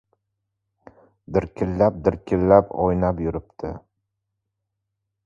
— Dirkillab-dirkillab o‘ynab yuribdi!